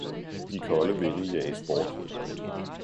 de kolde vinde jages bort!